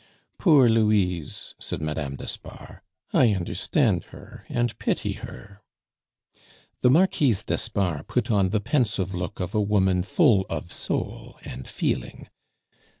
"Poor Louise!" said Madame d'Espard. "I understand her and pity her." The Marquise d'Espard put on the pensive look of a woman full of soul and feeling.